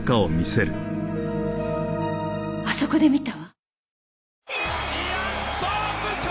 あそこで見たわ。